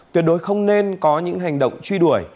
tuyệt đối không nên có những hành động truy đuổi